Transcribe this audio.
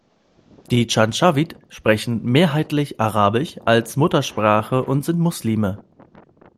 Die Dschandschawid sprechen mehrheitlich Arabisch als Muttersprache und sind Muslime.